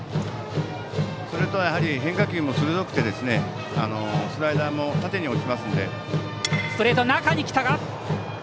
それと変化球も鋭くてスライダーも縦に落ちますので。